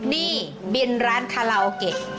นี่บินร้านคาราโอเกะ